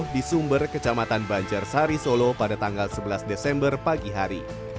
di sumber kecamatan banjar sari solo pada tanggal sebelas desember pagi hari